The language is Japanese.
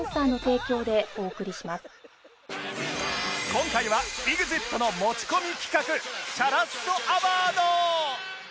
今回は ＥＸＩＴ の持ち込み企画チャラッソアワード